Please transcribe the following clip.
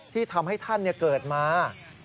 ที่ทำให้ท่านเกิดมา